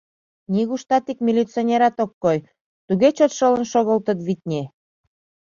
Нигуштат ик милиционерат ок кой, туге чот шылын шогылтыт, витне.